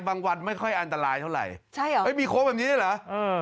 วันไม่ค่อยอันตรายเท่าไหร่ใช่เหรอเอ้ยมีโค้งแบบนี้เลยเหรอเออ